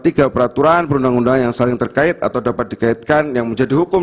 tiga peraturan perundang undang yang saling terkait atau dapat dikaitkan yang menjadi hukum